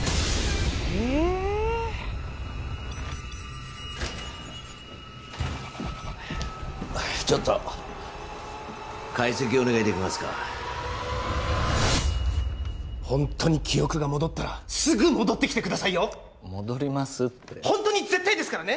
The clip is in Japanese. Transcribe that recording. えちょっと解析お願いできますかホントに記憶が戻ったらすぐ戻ってきてくださいよ戻りますってホントに絶対ですからね